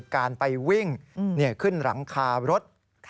การไปวิ่งขึ้นหลังคารถ